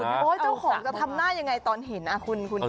เจ้าของจะทำหน้ายังไงตอนเห็นคุณ